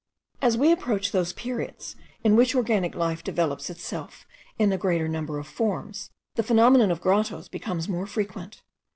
As we approach those periods in which organic life develops itself in a greater number of forms, the phenomenon of grottoes becomes more frequent.